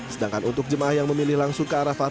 sedangkan untuk jemaah yang memilih langsung ke arafah